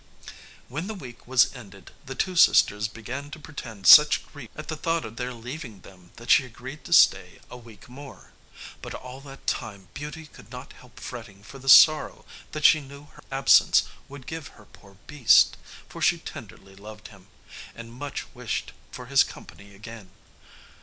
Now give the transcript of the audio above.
When the week was ended the two sisters began to pretend such grief at the thought of her leaving them that she agreed to stay a week more; but all that time Beauty could not help fretting for the sorrow that she knew her absence would give her poor beast; for she tenderly loved him, and much wished for his company again.